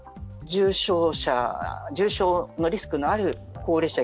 重症のリスクのある高齢者、